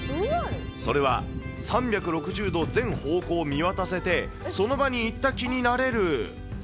それは３６０度全方向を見渡せて、その場に行った気になれる。